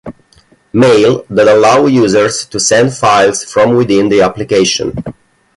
Mail, that allow users to send files from within the application.